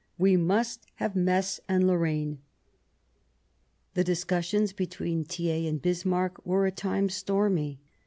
We must have Metz and Lorraine." The discussions between Thiers and Bismarck were at times stormy.